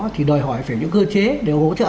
thì đòi hỏi phải những cơ chế để hỗ trợ